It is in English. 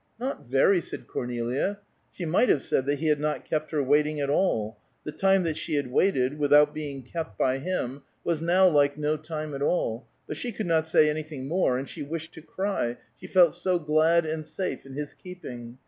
"Not very," said Cornelia. She might have said that he had not kept her waiting at all; the time that she had waited, without being kept by him, was now like no time at all; but she could not say anything more, and she wished to cry, she felt so glad and safe in his keeping.